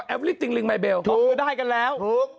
อ๋อแอลเฟอร์ลิสต์จริงลิงก์มายเบลถูกถูก